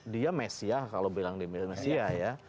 dia mesiah kalau bilang di melnesia ya